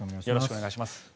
よろしくお願いします。